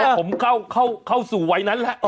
ผมเข้าสู่วัยนั้นแล้ว